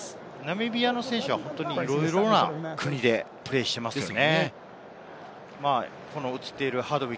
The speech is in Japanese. ナミビアの選手は本当に、いろいろな国でプレーしていますよね。